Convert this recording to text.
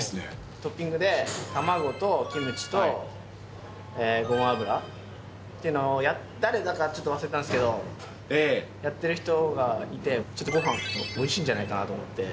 トッピングで卵とキムチとごま油っていうのをやってて、誰だかちょっと忘れたんですけど、やってる人がいて、ちょっとごはん、おいしいんじゃないかなと思って。